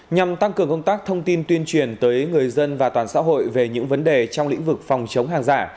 nhằm tăng cường công tác thông tin tuyên truyền tới người dân và toàn xã hội về những vấn đề trong lĩnh vực phòng chống hàng giả